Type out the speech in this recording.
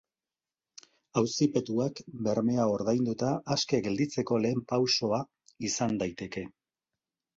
Auzipetuak bermea ordainduta aske gelditzeko lehen pausoa izan daiteke.